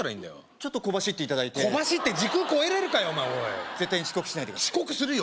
ちょっと小走っていただいて小走って時空こえれるかよお前絶対に遅刻しないでください遅刻するよ